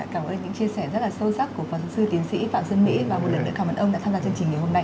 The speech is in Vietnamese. cảm ơn anh đã chia sẻ rất là sâu sắc của phật sư tiến sĩ phạm xuân mỹ và một lần nữa cảm ơn ông đã tham gia chương trình ngày hôm nay